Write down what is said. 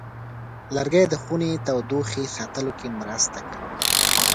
لرګی د خونې تودوخې ساتلو کې مرسته کوي.